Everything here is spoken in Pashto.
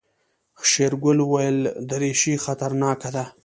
شېرګل وويل دريشي خطرناکه ده.